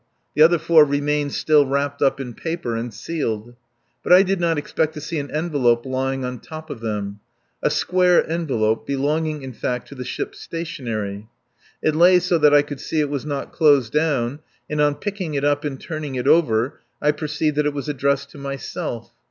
The other four remained still wrapped up in paper and sealed. But I did not expect to see an envelope lying on top of them. A square envelope, belonging, in fact, to the ship's stationery. It lay so that I could see it was not closed down, and on picking it up and turning it over I perceived that it was addressed to myself.